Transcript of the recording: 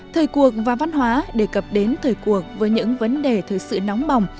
thời cuộc và văn hóa đề cập đến thời cuộc với những vấn đề thời sự nóng bỏng